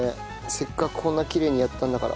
せっかくこんなきれいにやったんだから。